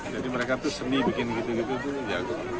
jadi mereka tuh seni bikin gitu gitu tuh jago